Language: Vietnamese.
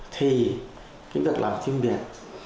thì cái việc làm phim việt